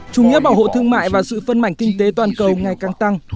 chủ nghĩa bảo hộ thương mại và sự phân mảnh kinh tế toàn cầu ngày càng tăng